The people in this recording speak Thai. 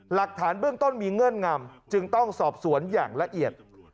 หลักฐานเบื้องต้นมีเงื่อนงำจึงต้องสอบสวนอย่างละเอียด